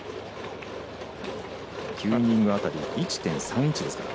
９イニング辺り１．３１ですから。